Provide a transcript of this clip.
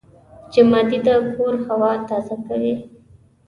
جمادې د کور هوا تازه کوي.